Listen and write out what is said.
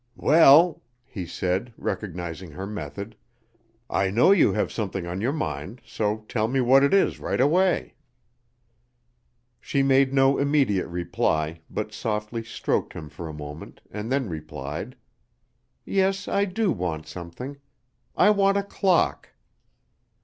"Well," he said, recognizing her method, "I know you have something on your mind; so tell me what it is right away!" She made no immediate reply, but softly stroked him for a moment and then replied: "Yes, I do want something; I want a clock!"